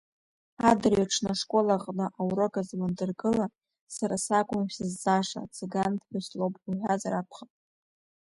Адырҩаҽны ашкол аҟны аурок азы уандыргыла, сара сакәым шәзызҵааша ацыганԥҳәыс лоуп уҳәазар акәхап…